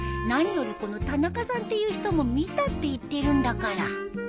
何よりこの田中さんっていう人も見たって言ってるんだから。